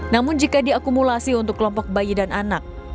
namun jika diakumulasi untuk kelompok bayi dan anak